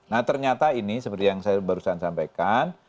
nah ternyata ini seperti yang saya barusan sampaikan